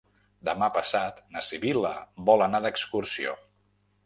Demà passat na Sibil·la vol anar d'excursió.